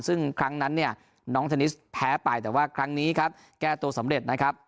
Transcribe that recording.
ซึ่งครั้งนั้นเนี่ยน้องเทนนิสแพ้ไปแต่ว่าครั้งนี้ครับแก้ตัวสำเร็จนะครับ